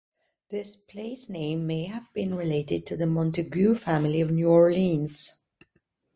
This place name may have been related to the Montegut family of New Orleans.